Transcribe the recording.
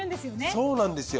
そうなんですよ。